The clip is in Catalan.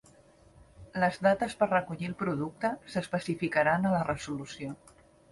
Les dates per recollir el producte s'especificaran a la resolució.